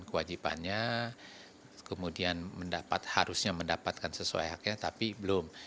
kewajibannya kemudian harusnya mendapatkan sesuai haknya tapi belum